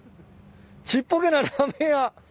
ちっぽけなラーメン屋。